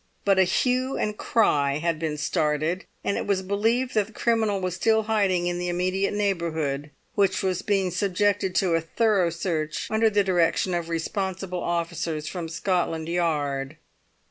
But a hue and cry had been started, and it was believed that the criminal was still in hiding in the immediate neighbourhood, which was being subjected to a thorough search under the direction of responsible officers from Scotland Yard.